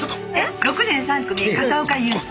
「６年３組片岡悠介」